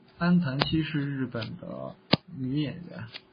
安藤希是日本的女演员。